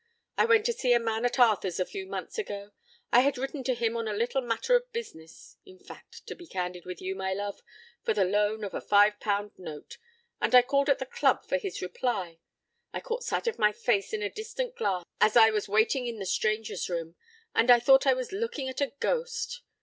I went to see a man at Arthur's a few months ago. I had written to him on a little matter of business in fact, to be candid with you, my love, for the loan of a five pound note and I called at the club for his reply. I caught sight of my face in a distant glass as I was waiting in the strangers' room, and I thought I was looking at a ghost.